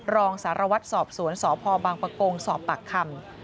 รองสารวัตรสอบสวนสพบังปะโกงสอบปากคำ